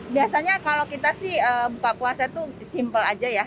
biasanya kalau kita sih buka puasa itu simpel aja ya